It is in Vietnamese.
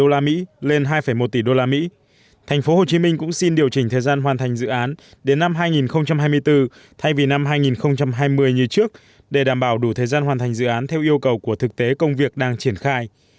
ủy ban nhân dân tp hcm cũng xin điều chỉnh thời gian hoàn thành dự án đến năm hai nghìn hai mươi bốn thay vì năm hai nghìn hai mươi như trước để đảm bảo đủ thời gian hoàn thành dự án theo yêu cầu của thực tế công việc đang triển khai